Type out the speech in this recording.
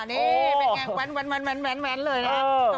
นี่เป็นอย่างแวนเลยนะครับ